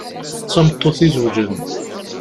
D tameṭṭut izeweǧen.